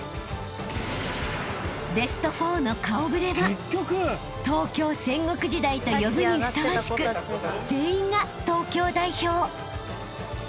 ［ベスト４の顔触れは東京戦国時代と呼ぶにふさわしく全員が東京代表］